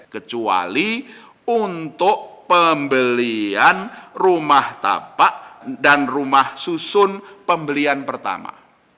kecuali untuk pembelian rumah tapak dan rumah susun pembelian pertama